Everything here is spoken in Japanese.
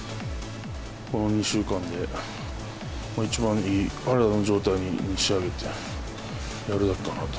この２週間で、一番いい体の状態に仕上げてやるだけかなと。